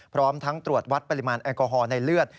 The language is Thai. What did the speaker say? พร้อมทั้งตรวจวัดปริมาณแอลกอฮอล์ในเลือด